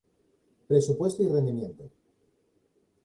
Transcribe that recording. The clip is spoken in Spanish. Presupuesto y rendimiento